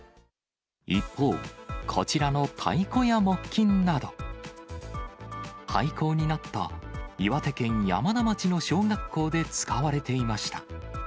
一方、こちらの太鼓や木琴など、廃校になった岩手県山田町の小学校で使われていました。